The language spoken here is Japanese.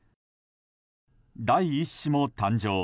第１子も誕生。